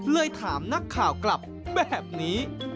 ถามนักข่าวกลับแบบนี้